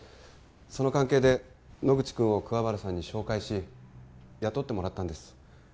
その関係で野口くんを桑原さんに紹介し雇ってもらったんです。